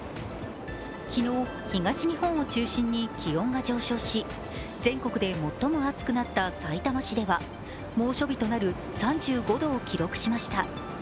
昨日、東日本を中心に気温が上昇し全国で最も暑くなったさいたま市では猛暑日となる３５度を記録しました。